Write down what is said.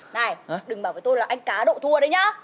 này đừng bảo với tôi là anh cá độ thua đấy nhá